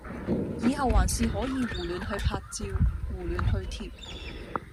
以後還是可以胡亂去拍照，胡亂去貼！